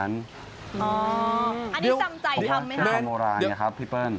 อันนี้ทำใจทำไหมครับ